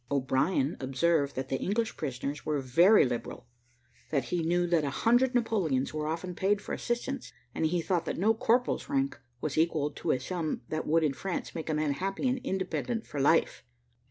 O'Brien observed, that the English prisoners were very liberal; that he knew that a hundred Napoleons were often paid for assistance, and he thought that no corporal's rank was equal to a sum that would in France made a man happy and independent for life.